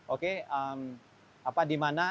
oke apa di mana